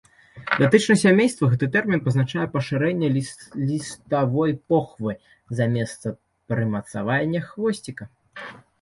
Датычна сямейства гэты тэрмін пазначае пашырэнне ліставой похвы за месца прымацавання хвосціка.